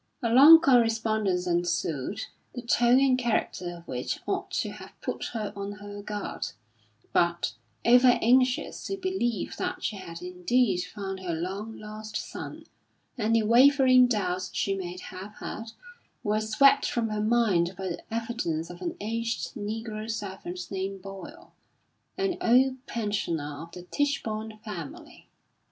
A long correspondence ensued, the tone and character of which ought to have put her on her guard; but, over anxious to believe that she had indeed found her long lost son, any wavering doubts she may have had, were swept from her mind by the evidence of an aged negro servant named Boyle, an old pensioner of the Tichborne family.